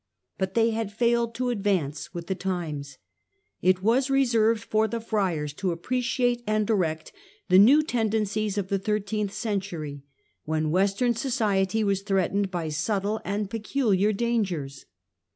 But they had failed to advance with the times. It was reserved for the Friars to appreciate and direct the new tendencies of the thirteenth century, when Western society was threatened by subtle and peculiar dangers.